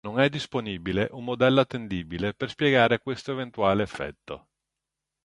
Non è disponibile un modello attendibile per spiegare questo eventuale effetto.